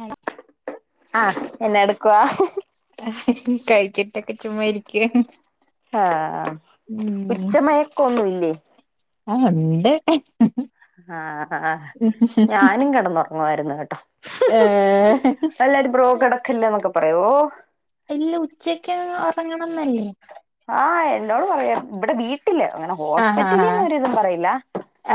ഹൽ ആഹ് എന്നെ എടുക്കുവ? കഴിച്ചിട്ടൊക്കെ ചുമ്മാ ഇരിക്ക ആഹ ഉച്ചമയക്കൊന്നും ഇല്ലേ? ആ ഉണ്ട്. ഹെ ആഹ ആഹ ഞാനും കിടന്നുറങ്ങുമായിരുന്നു. ഹു ഉം ഏഹ് ല്ലാരും ബ്രോ കടക്കല്ലേ എന്നൊക്കെ പറയോ ഓ ഇല്ല ഉച്ചക്ക് ഉറങ്ങ ആഹ് എന്നോട് പറയാ ഇവിടെ വീട്ടില് അങ്ങനെ ഹോസ്പിറ്റലിന്നു ഒരിതും പറയില്ല.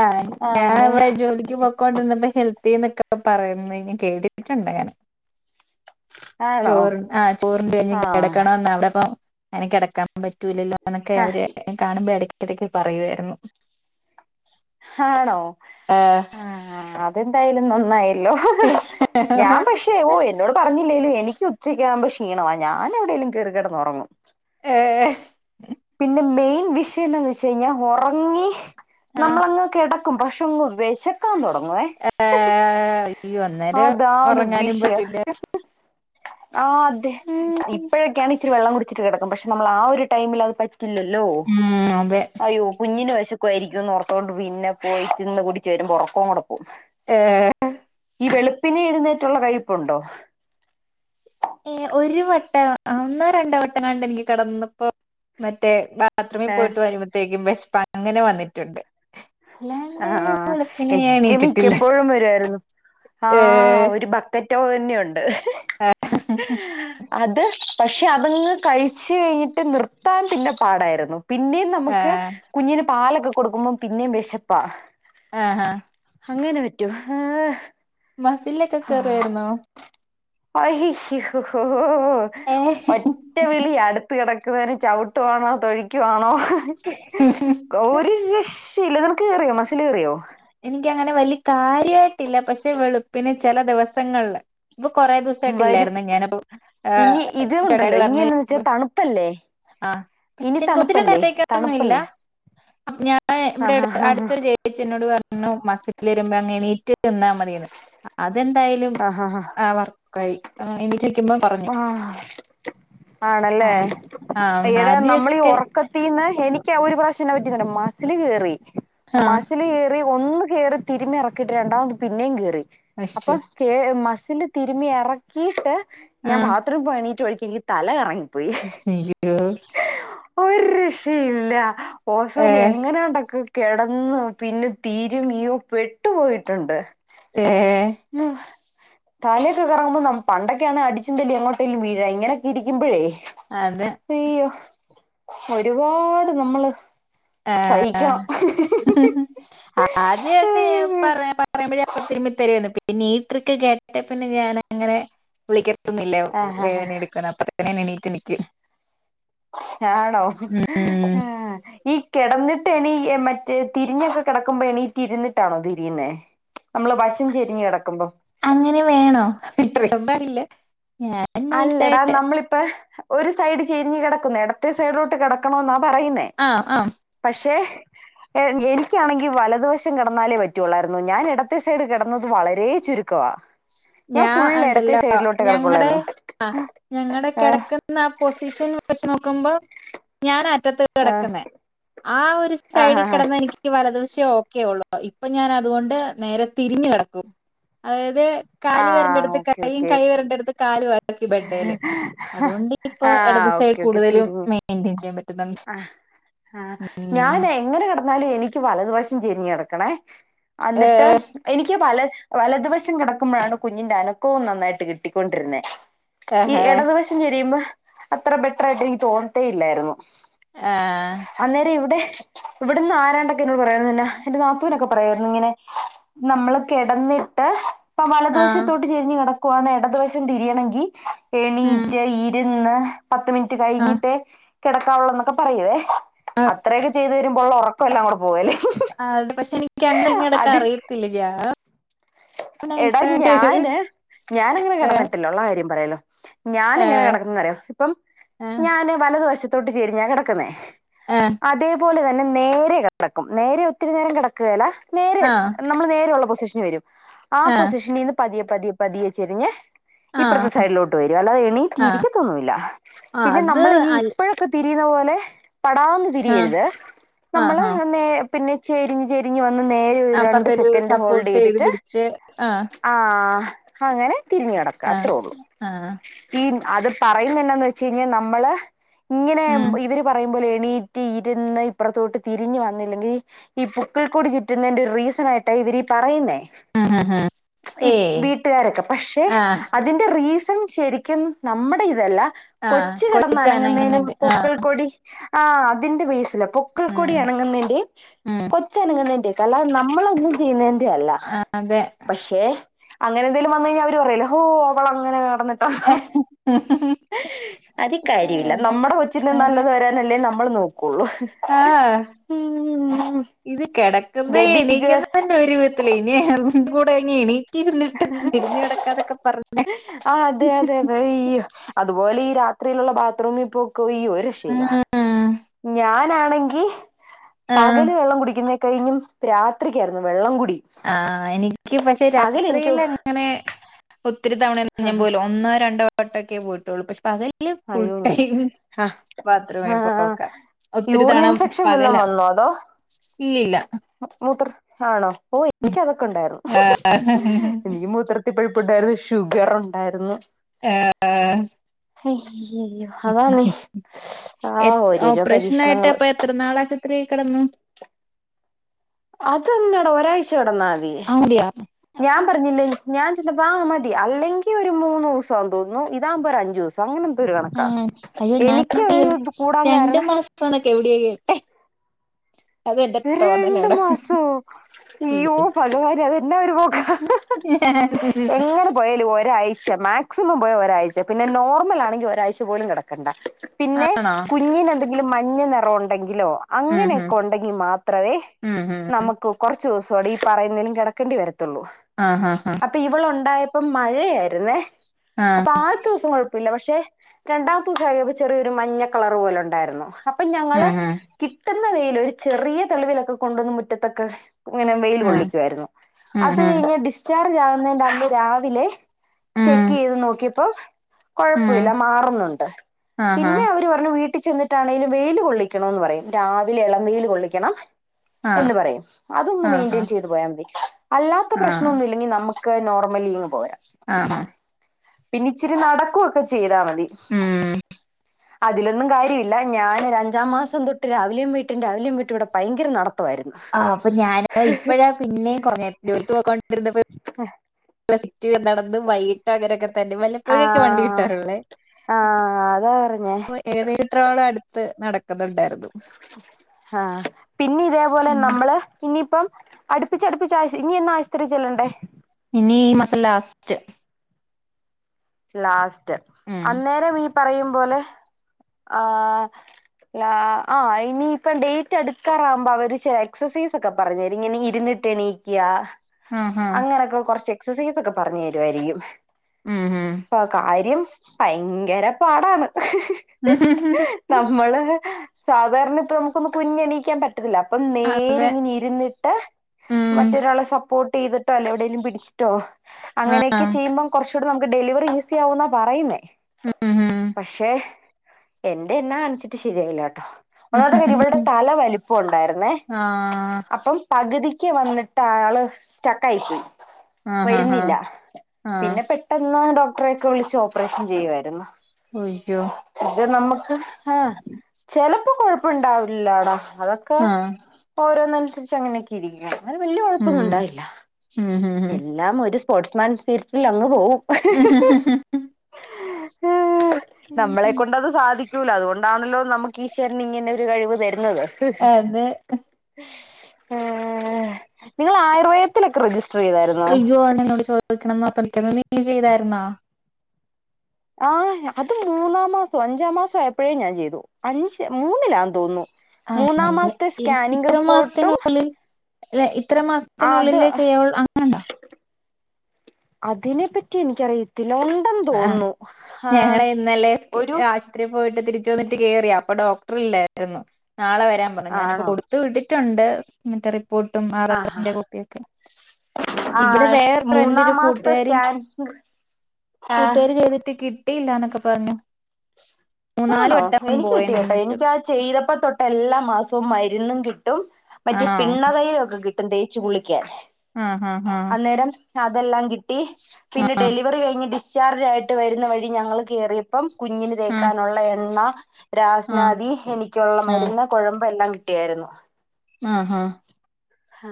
ആ ആഹ് ഞാൻ അങ്ങനെ ഇവിടെ ജോലിക്ക് പോക്കോണ്ടിന്നപ്പ ഹെൽത്തി എന്നൊക്കെ പറയുന്ന ന്ന് കേട്ടിട്ടുണ്ട് അങ്ങനെ. ആണോ ചോറ് ആഹ് ചോറ്ണ്ട് കഴിഞ്ഞഞ് ആഹ് കിടക്കണന്ന് അവിടെപ്പ അങ്ങനെ കിടക്കാൻ പറ്റൂല്ലല്ലോന്നൊക്കെ അവര് കാണുമ്പോ ഇടക്ക് ഇടക്ക് പറയുവായിരുന്നു. ആണോ ഏഹ് ആ അതെന്തായാലും നന്നായി. ല്ലോ ഞാൻ പക്ഷേ ഓ എന്നോട് പറഞ്ഞില്ലേലോ എനിക്ക് ഉച്ചയ്ക്ക് ആകുമ്പോ ക്ഷീണ ഞാന എവിയേലും കേറി കിടന്ന് ഉറങ്ങും. ഏഹ്. പിന്നെ മെയിൻ വിഷയന്താന്ന് വെച്ച് കഴിഞ്ഞാൽ ഉറങ്ങി ആഹ് നമ്മളങ്ങ് കിട ഭക്ഷേ വേശക്കാൻ തുടങ്ങും. ഏഹ് അയ്യോ ഓ അന്നേരം അതാണ് ഉറങ്ങാനും വിഷയ പറ്റൂല ആഹ അതെ ഇപ്പഴൊക്കെയാണ് ഇച്ചിരി വെള്ളം കുടിച്ചിട്ട് കിടക്കും പക്ഷെ നമ്മൾ ആ ഒരു ടൈമിൽ അത് പറ്റില്ലല്ലോ ഉം അതെ അയ്യോ കുഞ്ഞിനു വെഷ [unintelligible] ന്നു ഓർത്തോണ്ട് പിന്നെ പോയിട്ട്ന്ന് തിന്ന് കുടിച്ച് വരുമ്പോഴേക്കും ഉറക്കം കൂടെ പോകും. ഏഹ ഈ വെളുപ്പിന് എഴുന്നേറ്റുള്ള കഴിപ്പുണ്ടോ? ഏ ഒരു വട്ടം ഒന്നോ രണ്ടോ വട്ടങ്ങാണ്ട് എനിക്ക് കിടന്നപ്പോ മറ്റേ ബാത്‌റൂമിൽ ഏഹ് പോയിട്ട് വരുമ്പോത്തേക്കും വിഷ്പ അങ്ങനെ വന്നിട്ടുണ്ട്. ആ അല്ലാണ്ട് വെളുപ്പിന് ഞാൻ എനിക്ക് എണീറ്റിട്ടില്ല മിക്കപ്പോഴും വരു ആയിരുന്നു ആ ഏഹ് ഒരു ബക്കറ്റ് [unintelligible] തന്നെയുണ്ട്. അത് പക്ഷെ അതങ്ങ് കഴിച്ച് കഴിഞ്ഞിട്ട് നിർത്താൻ പിന്നെ പാടായിരുന്നു. പിന്നെയും നമുക്ക് ആഹ് കുഞ്ഞിന് പാലൊക്കെ കൊടുക്കുമ്പം പിന്നേും വിശപ്പാ. ആഹ ഹഹ. അങ്ങനെ പറ്റോ? ഹാ മസിലൊക്കെ കേറുവായിരുന്നോ? അയ്യോ ഏഹ് ഒറ്റ വിളി അടുത്ത കിടക് രെ ചവിട്ടുവാണോ തൊഴക്കുവാണോ ഒരു രക്ഷയില്ല. കേറിയോ മസിൽ കേറിയോ? എനിക്ക് ങ്ങനെ വലിയ കാര്യായിട്ടില്ല പക്ഷെ വെളുപ്പിന് ചില ദിവസങ്ങളില്. ഇപ്പൊ കൊറേ ദിവസായിട്ട് വരും ഇല്ലായിരുന്നു ഞാനപ്പൊ ഇനി ഇത് ഉണ്ടല്ലോ ചേട്ടായിനോട്‌ ഇനി പറഞ് എന്നാന്ന് വെച്ചാ തണുപ്പല്ലേ ആഹ ഇനി പക്ഷെ എനിക്ക് ഒത്തിരി തണുപ്പല്ലേ നേരത്തേക്കൊന്നുല്ല തണുപ്പല്ലേ ഞാൻ ഇവിടെ ആഹ് ആഹ് ആഹ് അടുത്തൊരു ചേച്ചി ചേച്ചി പറഞ്ഞ് മസിൽ വരുമ്പോ അങ്ങ് എണീറ്റ് നിന്നാൽ മതി എന്ന് അത് അതെന്തായാലും ആഹ് ഹാ ഹാ വർക്കായി ആ എണീറ്റ് നിൽക്കുമ്പോ കുറഞ്ഞു ആഹ് ആ ആണല്ലേ ആ ഇടെ നമ്മളീ ആദ്യമൊക്കെ ഉറക്കത്തീന്ന് എനിക്ക് ആ ഒരു പ്രാവശനം എന്നാപറ്റിന്നറിയോ മസിൽ കേറി ആ മസിൽ കേറി ഒന്ന് കേറി തിരുമ ഇറക്കിയിട്ട് രണ്ടാമത് പിന്നെയും കേറി അപ്പൊ അശു കേ മ സ്സില് തിരുമി ഇറിക്കിട്ട് ആ ഞാ ബാത്റൂമിൽ പോവാൻ എണീറ്റ വഴക്ക് എനിക്ക് തലറങ്ങി. [unintelligible] ഒരു ഋഷിയില്ല ഏ ഓസോന് എങ്ങനാ ഉണ്ടക്ക് കിടന്ന് പിന്നെ തീരുമ്മി ഓ പെട്ടു പോയിട്ടുണ്ട്. [unintelligible] താലയൊക്കെ കറങ്ങുമ്പോ ന പണ്ടൊക്കെയാണ് അടിച്ചിന്തല്ലും എങ്ങോട്ടേലും വീഴ ഇങ്ങനൊക്കെ ഇരിക്കുമ്പോഴേ അതെ ഒരുപാട് നമ്മള് സഹിക്കണം ആദ്യൊക്കെ പറ പറയുമ്പഴ അപ്പ രുമ്മിത്തരുന്ന് പി നീട്ട്രക്ക് കേട്ടട്ട് പിന്നെ ഞാൻങ്ങനെ വിളിക്കൊന്നില്ലേ ആഹ് ഹ വേദന എടുക്ക അപ്പ ഇ ന നയിട്ട നിക്ക ആണോ ആ ഈ കിടന്നിട്ട് എണീ മറ്റേ തിരിഞ്ഞൊക്കെ കിടക്കുമ്പോ എണീറ്റ് ഇരുന്നിട്ടാണോ തിരിയുന്നേ നമ്മള് വശം ചെരിഞ്ഞ കിടക്കുമ്പോ അങ്ങനെ വേണോ ഇത്രൊണ്ടറില്ല അല്ലടാ നമ്മളിപ്പ ഒരു സൈഡ് ചിരിഞ്ഞ് കിടക്കുന്നു ഇടത്തെ സൈഡിലോട്ട് കിടക്കണോ എന്നാ പറയുന്നേ ആഹ് ആഹ് പക്ഷേ [unintelligible] എനിക്കാണെങ്കിൽ വലദോഷം കിടന്നാലേ പറ്റുള്ളായിരുന്നു ഞാൻ ഇടത്തെ സൈഡ് കിടന്നത് വളരെേ ചുരുക്കവാ ഞാൻ ഞാ ഫുൾ ഇടത്തെ ഉണ്ടല്ലോ സൈഡിലോട്ടേ ഞങ്ങളടെ കിടക്കുള്ളായിരുന്നു ആ ഞങ്ങളുടെ ഏഹ് കിടക്കുന്ന ആ പൊസിഷൻ വെച്ച് നോക്കുമ്പോ ഞാൻ മുറ്റ ആഹ് കിടക്ക ആ ഒരു ആഹ് സൈഡ് ആഹ് ആഹ് കിടന്ന എനിക്ക് വലതുക്ഷെ ഒക്കെള്ളൂ ഇപ്പൊ ഞാൻ അതുകൊണ്ട് നേരെ തിരിഞ്ഞ കിടക്കും അതായത് കാല് വരണ്ട ആഹ് അടുത്ത് ഓക്കെ കൈും ഓക്കെ കൈ വരണ്ട അടുത്ത് കാലു ആ ബഡ അതുകൊണ്ട് ഇപ്പൊ ഇടത് ആഹ് സൈഡ ഓക്കെ ഓക്കെ കൂടുതലും മെയിറ്റൻ ചെയ്യാൻ പറ്റുന്നുണ്ട് ആ ഉം ഞാൻ എങ്ങനെ കടന്നാലും എനിക്ക് എക്ക് പല ദിവശം ചെരിഞ്ഞ് എടുക്കണേ എന്നിട്ട് ഏഹ് എനിക്ക് പല വലതുവശം കിടക്കുമ്പോഴാണ് കുഞ്ഞിന്റെ അനക്കവും നന്നായിട്ട് കിട്ടിക്കൊണ്ടിരുന്നേ ഈ ഏഹ് ഇടതുവശം ചരിയുമ്പോ അത്ര ബെറ്റർായിട്ട് നി തോന്നത്തേ ഇല്ലായിരുന്നു ആ ഇവിടന്ന് ആരാണ്ടൊക്കെ എന്നോട് പറയായിരുന്നുന്നെ എന്റെ നാത്തുവിനൊക്കെ പറമായിരുന്നു ഇങ്ങനെ നമ്മള് കിടന്നിട്ട് ഇപ്പൊ ആഹ് വലതുവശത്തോട്ട് ചെരിഞ്ഞ് കിടക്ക പോണം ഇടതു വയസം തിരിയണമെങ്കിൽ ഉം എണീറ്റ് ഇരുന്ന് പത്ത് മിനിറ്റ് ആഹ് കഴിഞ്ഞിട്ടേ കിടക്കാവുള്ളൂ എന്നൊക്കെ പറയുവേ അത്രയൊക്കെ ചെയ്ത് വരുമ്പോ ഉള്ള ഉറക്കമല്ല കൂടെ പോവല്ലേ ഞങ്ങൾ ഇങ്ങടൊക്കെ അതിപ്പോ അറിയത്തില്ലാ എടാ ഞാന് ഞാന അങ്ങനെ കടന്നിട്ടില്ലോ ഉള്ള കാര്യം പറയാലോ ഞാന ഏ എങ്ങനെ കിടക്കുന്നറിയോ ഇപ്പം ഏ ഞാന് വല ദ വശത്തോട്ട് ചേരിഞ്ഞാൻ കിടക്കുന്നേ ഏ അതേപോലെ തന്നെ നേരെ കിടക്കും നേരെ ഒത്തിരി നേരം കിടക്കുകല്ല നേരെ ആ നമ്മള് നേരെ ഉള്ള പൊസിഷന് വരും ആ പൊസിഷനിൽന്ന് പതിയെ പതിയെ പതിയെ ചെരിഞ്ഞ് ആ ഇപ്പഴത്തെ സൈഡിലോട്ട് വരും അല്ലാതെ എണീ ആ തീരിക്കത്തൊന്നുമല്ല ആ പിന്നെ അത് നമ്മള് ഈ അൽ ഇപ്പഴൊക്കെീ [unintelligible] പടാന്നു ആ തിരിയരുത് ആ നമ്മള് ആ നേ പിന്നെ ചരിഞ്ഞ് ചരിഞ്ഞ് വന്ന് നേരെ ഒരു രണ്ട് പ്പറത്തെരു സെക്കൻഡ് ഹോൾഡ് സപ്പോർട്ട് ചെയ്ത് ചെയ്തിട്ട് പിടിച്ച് ആ ആഹ് അങ്ങനെ തിരിഞ്ഞ കടക്ക ആ അത്രേ ഉള്ളൂ ആ ഈ അത് പറയുന്ന എന്താന്ന് വെച്ച് കഴിഞ്ഞാൽ നമ്മള് ഇങ്ങനെ ഉം ഇവര് പറയുമ്പോലെ ണീറ്റി ഇരുന്ന് ഇപ്പുറത്തോട്ട് തിരിഞ്ഞു വന്നില്ലെങ്കിൽ ഈ പുക്കൾ കൂടി ചുറ്റുന്നതിന്റെ ഒരു റീസൺ ആയിട്ടായി ഇവര് ഈ പറയുന്നേ ഉം ഉം ഉം ഈ ഏയ് വീട്ടുകാർ ഒക്കെ പക്ഷേ ആ അതിൻ്റെ റീസ ൺ ശരിക്കും നമ്മുടെ ഇതല്ല ആ കൊച്ച കൊച്ചനങ്ങുന്നുണ്ട് കിടന്നനങ്ങുന്നതിനതിനും ആ പുക്കൾ ക്കൊടി ആ അതിന്റെ ബേസില പൂക്കിൾ കൂടി ഉം അനങ്ങുന്നേന്റേം, ഉം കൊച്ചനങ്ങുന്നേന്റേം. കല നമ്മളൊന്നും ചെയ്യുന്നതിന്റെ അല്ല. അതെ പക്ഷേ അങ്ങനെ എന്തേലും വന്ന് കഴിഞ്ഞാൽ അവർ പറല്ലോ ഹോ അവളങ്ങനെ നടന്നട്ട് ഏ. എ അതി കാര്യമില്ല നമ്മുടെ അതെ കൊച്ചിനല്ലത് വരാനല്ലേ നമ്മൾ നോക്കുള്ളു. ഹ ആ ഹേ ഉം ഉ. ഇത് കിടക്കുന്നത് എണീക്കന്ന തന്നെ ഒരൂധത്തിലാ ഇനി അത കൂടെ ഇനി എണീ ആ അതെ അതെ അതെ ഈ പറഞ്ഞു അതുപോലെ ഈ രാത് ഇത്രയിലുള്ള ബാത്റൂമിൽ പോക്ക് ഉയ്യോ ഒരു ഉം ഇഷയുംല്ലാ. ഞാനാണെങ്കി ആഹ് പകല് വെള്ളം കുടിക്കുന്നയി കഴിഞ്ഞ രാത്രിക്കായിരുന്നു വെള്ളം കൂടി ആഹ് എനിക്ക് പക്ഷെ എനിക്ക് രാത്രിൽ എങ്ങനെ ഒത്തിരി തവണയൊന്നും ഞ്ഞാൻ പോയിലാ ഒന്നോ രണ്ടോ വട്ടമൊക്കെ പോയിട്ടുള്ളൂ പക്ഷ പക ഫുൾ അയ്യോ ടൈം ആ ആ ബാത്റൂമിൽ പോക്കാ. ഒത്തിരി യൂറിൻ തണ ഇൻഫെക്ഷൻ പകല. വല്ലോം വന്നോ അതോ ഇല്ലില്ല മൂത്ര ആണോ ഓ എനിക്ക് അതൊക്കെ ഉണ്ടായിരുന്നു. എനിക്ക് മൂത്ര കുട്ടിപ്പഴിപ്പുണ്ടായിരുന്നു, ഷുഗർ ഉണ്ടായിരുന്നു ഏ ഏ അതാന്നേ. എ ഓപ്പറേഷൻ ആയിട്ട് അപ്പ എത്രനാള ആശൂത്രി കിടന്ന്? [inaudible] അതന്നട ഒരാഴ്ച കിടന്നാതി അവിടെയാ ഞാൻ പറഞ്ഞില്ലേ ഞാൻ [inaudible] മതി അല്ലെങ്കിൽ ഒരു മൂന്ന് ദിവസം ആന്ന് തോന്നുന്നു ഇതാകുമ്പോ ഒരു അഞ്ചു ദിവസം അങ്ങനെ ഒരു കണക്കാ ആഹ് അയ്യോ ഞാൻ എനിക്ക് ഒരു ഇത് [unintelligible] കൂടാൻ രണ്ട് കാരണം മാസ എവിടെയാ കേട്ടെ? അത് എന്റെ ഒരു രണ്ടു തോന്നലാടോ മാസോ? ഇയ്യോ ഇല്ലേ പഗവാന അതെന്നാ ഒരു ഉം. പോക്കാ? എങ്ങനെ പോയാലും ഒരാഴ്ച- പക്ഷ മാക്സിമം പോയ ഒരാഴ്ച പിന്നെ നോർമൽ ആണെങ്കി ഒരാഴ്ച പോലും കിടക്കണ്ട. പിന്നെ ആണോ കുഞ്ഞിന എന്തെങ്കിലും മഞ്ഞ നിറം ഉണ്ടെങ്കിലോ ഉം ഉം അങ്ങനെയൊക്കെ ഉണ്ടെങ്കി മാത്രവേ ഉം ഉം നമുക്ക് കുറച്ച ദിവസൂടി ഈ പറയുന്നതിലും കിടക്കേണ്ടി വരത്ത പത്തുള്ളൂ. ആഹ് ആഹ് അപ്പൊ ഇവള് ഉണ്ടായപ്പോ മഴയായിരുന്നേ. ആഹ് അപ്പൊ ആദ്യത്ത ദിവസം കൊഴപ്പില്ല പക്ഷെ രണ്ടാമത്തെ ദിവസായപ്പൊ ചെറിയൊരു മഞ്ഞ കളറ് പോലെ ഉണ്ടായിരുന്നു. അപ്പൊ ഞങ്ങള് ആഹ് ആഹ് കിട്ടുന്ന വെയിൽ ഒരു ചെറിയ തെളിവിലൊക്കെ കൊണ്ടുവന്നന്ന് മുറ്റത്തൊക്കെ ഇങ്ങനെ വെയിൽ ഉം കൊള്ളിക്കുവായിരുന്നു, ഉം അത് ഉം കഴി ഡിസ്ചാർ ആവുന്നെന്റന്ന് രാവിലെ ഉം ചെക്ക് ചെയ്ത് നോക്കിയപ്പോ ഉം കുഴപ്പമില്ല മാറുന്നുണ്ട്. ആഹാ പിന്നെ അവര് പറഞ്ഞു വീട്ടി കട്ടിച്ചെന്നിട്ടാണെങ്കിലും വെയിൽ കൊള്ളിക്കണം എന്ന് പറയും. രാവിലെ എളം വെയിൽ കൊള്ളിക്കണം. ആഹ് എന്ന് പറയും അതൊന്ന് ആഹാ മെയിന്റയിൻ ചെയ്ത് പോയാൽ മതി. അല്ലാത്ത ആഹ് പ്രശ്നൊന്നും ഇല്ലെങ്കിൽ നമുക്ക് ക്ക് നോർമലി ഇങ്ങ് പോരാം. ആഹ് ആഹ്. പിന്ന ഇച്ചിരി നടക്കുവൊക്കെ ചെയ്താ മതി. ഉം അതിലൊന്നും കാര്യമില്ല ഞാനൊരഞ്ച മാസം തൊട്ട് രാവിലെയും വയിട്ടും രാവിലെയും വയിട്ടും ഇവിടെ ഭയങ്കര നടത്തമായിരുന്നു ആ അപ്പൊ ഞാന് ഇപ്പഴാ പിന്നേം കുറഞ്ഞെ ജോലിക്ക് പോയിക്കോണ്ടിരുന്നപ്പ [unintelligible] നടന്ന വൈട്ട് അകനൊക്കെ തന്നെ വല്ലപ്പോഴൊക്കെ വണ്ടി ആഹ് കിട്ടാറുള്ളേ. ആഹ് അതാ പറഞ്ഞേ [inaudible] ഏതത്ര ആള അടുത്ത് നടക്കുന്നുണ്ടായിരുന്നു. ആഹ പിന്നെ ഇതേപോലെ ഉം നമ്മള് ഇനിയിപ്പം അടുപ്പിച്ചടുപ്പിച്ച് ആശ ഇനി എന്ന ആശുപത്രിചെല്ലേണ്ട? ഇനി മാസം ലാസ്റ്റ്. ലാസ്റ്റ് ഉം അന്നേരം ഈ പറയും പോലെ ആ ആ ഇനിയിപ്പം ഡേറ്റ് അടുക്കാറാവുമ്പോ അവര് ചെല എക്സസൈസ് ഒക്കെ പറഞ്ഞു തരും ഇങ്ങനെ ഇരുന്നി ണീക്ക ആഹ് ആഹ് അങ്ങനൊക്കെ കൊറച്ച് എക്സസൈസ് ഒക്കെ പറഞ്ഞു തരുവായിരിക്കും. ഉം ഹും അപ്പൊ കാര്യം ഭയങ്കര പാടാണ്. നമ്മള് സാധാരണ ഇപ്പൊ നമുക്കൊന്ന് കുനിഞ്ഞണീയിക്കാൻ പറ്റണില്ല അപ്പം അതെ നേരിങ്ങനെ ഇരുന്നിട്ട് ഉം മറ്റൊരാളെ സപ്പോർട്ട് ചെയ്തിട്ടോ. അല്ലേൽ എവിടേലും പിടിച്ചിട്ടോ. ആഹ് അങ്ങനെയൊക്കെ ചെയ്യുമ്പം. കൊറച്ച് നമുക്ക് ഡെലിവറി ഈസി ആവുന്നാ പറയുന്നേ. ഉം ഉം പക്ഷെ എന്റെ എന്നാ കാണിച്ചിട്ട് ശരിയായില്ലാട്ടോ. [unintelligible] ഇവളടെ തല വലിപ്പം ഉണ്ടായിരുന്നേ ആഹ് അപ്പം പകുതി ക്ക്‌ വന്നിട്ട് ആള് സ്റ്റക്കായി പോയി. ആഹ് ആഹ് വരുന്നില്ല ആഹ് ആഹ് പിന്നെ പെട്ടെന്ന് ഡോ ക്ക്‌ട്ടറെ വിളിച്ച് ഓപ്പറേഷൻ ചെയ്യുവായിരുന്നു. അയ്യോ ഇത് നമുക്ക് ആ ചെലപ്പോ കൊഴപ്പുണ്ടാവില്ലടാ അതൊക്കെ ആഹ് ഓരോന്നനുസരിച്ച് അങ്ങനെയൊക്കെ ഇരിക്കുക. അങ്ങനെ വല്ല്യ ഉം കൊഴപ്പൊന്നും ഉണ്ടായില്ല. ഉം ഉം ഉം എല്ലാം ഒരു സ്പോർട്സ്മാൻ സ്പിരിറ്റിൽ അങ് പോവും. [unintelligible] നമ്മളെ കൊണ്ടത് സാധിക്കൂല. അതുകൊണ്ടാണല്ലോ നമുക്ക് ഈശ്വരന് ഇങ്ങനെ ഒരു കഴിവ് തരുന്നത്. അതെ ഉം നിങ്ങള് ആയുർവേദത്തിലൊക്കെ രജിസ് അയ്യോ അത് ഞാൻ നിന്നോട് ചോദിക്കണംന്ന് ഓർത്തിരിക്കായിരുന്നു നീ ചെയ്തായിരുന്നോ? ആ അത് മൂന്നാം മാസം അഞ്ചാം മാസം ആയപ്പഴേ ഞാൻ ചെയ്തു. അഞ്ച് മൂന്നിലാന്ന് തോന്നുന്നു. മൂന്നാം ആണല്ലേ മാസത്തെ സ്കാനിങ് റിപ്പോർട്ടും അല്ല ഇത്ര മാസത്തിനുള്ളിലേ അത് ചെയ്യുള്ളൂ അങ്ങനെ ഇണ്ട അതിനെ പറ്റി എനിക്കറിയത്ത ആ ഞങ്ങള് ഇന്നലെ ഒരു ആശുപത്രിൽ പോയിട്ട് തിരിച്ച് വന്നിട്ട് കേയറി അപ്പൊ ഡോക്ടറല്ലായിരുന്നു. നാളെ വരാൻ പറഞ്ഞു. ഞാനിപ്പോ ആണോ കൊടുത്ത്‌ വിട്ടിട്ടുണ്ട്. മറ്റേ റി പ്പോട്ടും ആഹാ ആധാറിന്റെ കോപ്പിയൊക്കെ. ആ ഇവിടെ വേറെ എന്റെ മൂന്നാം ഒരു മാസത്തെ കൂട്ടുകാരി സ്കാൻ ആ കൂട്ടുകാർ ചെയ്തിട്ട് കിട്ടിയില്ലാന്നൊക്കെ പറഞ്ഞു. മൂന്നാല് ആണോ വട്ടം എനിക്ക് പോയി കിട്ടി കേട്ടോ നിന്നിട്ട് എനിക്കാ ചെയ്തപ്പ തൊട്ടല്ലാം മാസവും മരുന്നും കിട്ടും മറ്റേ ആണോ പിണ്ണതയിലും ഒക്കെ കിട്ടും തേച്ച് കുളിക്കാൻ. ആഹ് ആഹ് അന്നേരം അതെല്ലാം കിട്ടി പിന്നെ ആഹ് ഡെലിവറി കഴിഞ്ഞ് ഡിസ്ചാർജ് ആയിട്ട് വരുന്ന വഴി ഞങ്ങൾ കേറിയപ്പം കുഞ്ഞിന് ആഹ് തേക്കാനുള്ള എണ്ണ, ആഹ് രാസ്നാദി, എനിക്കുള്ള ആഹ് മരുന്ന്, കുഴബ് എല്ലാം കിട്ടിയായിരുന്നു. ആ ആ ആ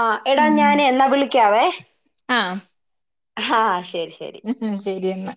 ആ എടാ ഞാൻ എന്നാ വിളിക്കാവേ. ആ ആ ശ ഉം ശരി എന്നാ.